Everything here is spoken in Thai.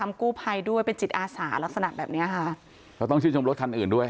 กู้ภัยด้วยเป็นจิตอาสาลักษณะแบบเนี้ยค่ะเขาต้องชื่นชมรถคันอื่นด้วย